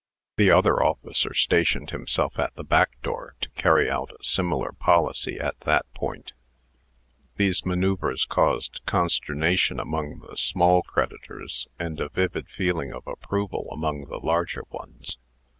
The other officer stationed himself at the back door, to carry out a similar policy at that point. These manoeuvres caused consternation among the small creditors, and a vivid feeling of approval among the larger ones.